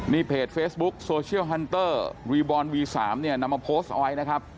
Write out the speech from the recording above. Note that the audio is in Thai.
นี่เพจเฟซบุ๊คโซเชียลฮันเตอร์รีบบอลวี๓เนี่ยนำมาโพสต์เอาไว้นะครับ